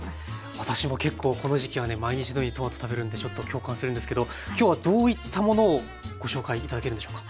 私も結構この時期はね毎日のようにトマト食べるのでちょっと共感するんですけど今日はどういったものをご紹介頂けるんでしょうか。